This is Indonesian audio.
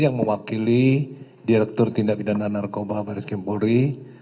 yang mewakili direktur tindak pidana narkoba baris kempulri